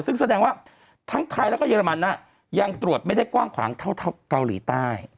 ซึ่งแสดงว่าทั้งไทยแล้วก็เรมันยังตรวจไม่ได้กว้างขวางเท่าเกาหลีใต้